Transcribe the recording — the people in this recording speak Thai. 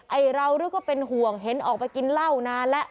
ไอ้เราด้วยก็เป็นห่วงเห็นออกไปกินเหล้านานแล้ว